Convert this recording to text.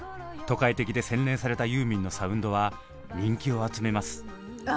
都会的で洗練されたユーミンのサウンドは人気を集めます。